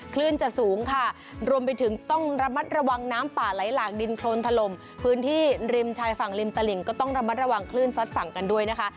คลื่นจะสูงค่ะรวมไปถึงต้องระมัดระวังน้ำป่าไหลหลากดินโครนถล่มพื้นที่ริมชายฝั่งริมตลิงก็ต้องระมัดระวังคลื่นซัดฝั่งกันด้วยนะคะ